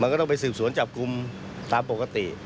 ก็ต้องไปสืบสวนจับกลุ่มตามปกติ